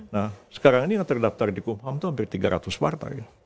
nah sekarang ini yang terdaftar di kumham itu hampir tiga ratus partai